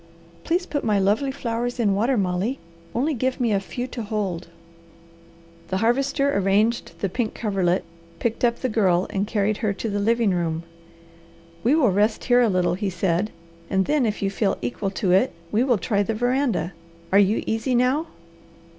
Please put my lovely flowers in water, Molly, only give me a few to hold." The Harvester arranged the pink coverlet, picked up the Girl, and carried her to the living room. "We will rest here a little," he said, "and then, if you feel equal to it, we will try the veranda. Are you easy now?"